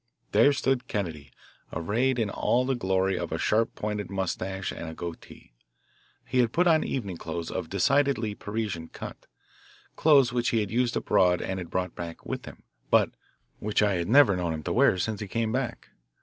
There stood Kennedy arrayed in all the glory of a sharp pointed moustache and a goatee. He had put on evening clothes of decidedly Parisian cut, clothes which he had used abroad and had brought back with him, but which I had never known him to wear since he came back.